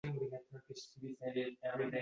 Bu holat ham Toshkent viloyatida sodir bo‘lgan.